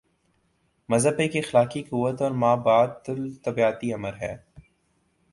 مذہب ایک اخلاقی قوت اور مابعد الطبیعیاتی امر ہے۔